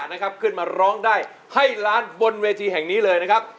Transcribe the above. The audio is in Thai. นะครับขึ้นมาร้องได้ให้ล้านบนเวทีแห่งนี้เลยนะครับ